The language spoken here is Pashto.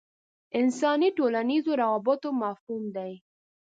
انساني ټولنیزو روابطو مفهوم دی.